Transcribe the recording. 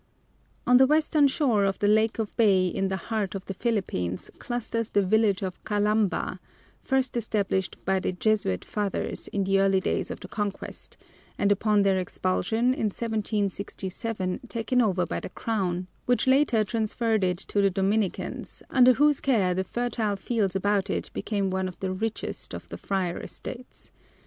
On the western shore of the Lake of Bay in the heart of the Philippines clusters the village of Kalamba, first established by the Jesuit Fathers in the early days of the conquest, and upon their expulsion in 1767 taken over by the Crown, which later transferred it to the Dominicans, under whose care the fertile fields about it became one of the richest of the friar estates.